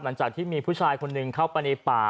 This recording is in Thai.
หลังจากที่มีผู้ชายคนหนึ่งเข้าไปในป่า